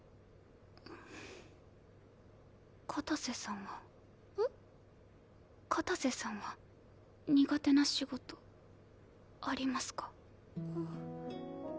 片瀬さんは片瀬さんは苦手な仕事ありますか？